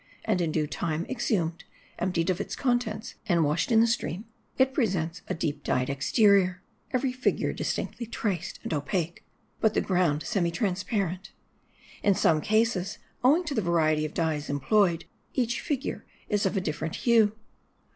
And in due time exhumed, emptied of its contents, and washed in the stream, it presents a deep dyed exterior ; every figure MARDI. 213 distinctly traced and opaque, but the ground semi transparent. In some cases, owing to the variety of dyes employed, each figure is of a different hue.